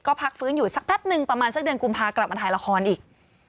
ก็พักฟื้นอยู่สักแป๊บนึงประมาณสักเดือนกุมภากลับมาถ่ายละครอีก